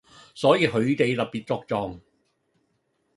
所以佢哋特別作狀⠀